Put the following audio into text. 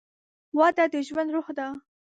وده د ژوند روح ده.